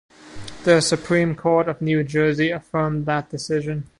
The Supreme Court of New Jersey affirmed that decision.